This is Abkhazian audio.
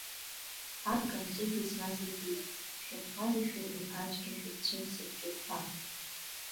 Абга амҵәыжәҩа змаз иаҳәеит, шәынхареи шәареи ацәгьа шәацәысыхьчоит ҳәа.